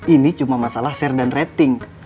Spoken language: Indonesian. ini cuma masalah share dan rating